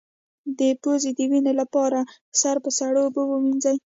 د پوزې وینې لپاره سر په سړو اوبو ووینځئ